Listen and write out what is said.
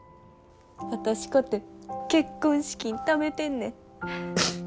私かて結婚資金ためてんねん。